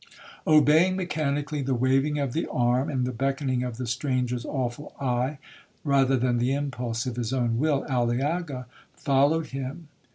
Obeying mechanically the waving of the arm, and the beckoning of the stranger's awful eye, rather than the impulse of his own will, Aliaga followed him.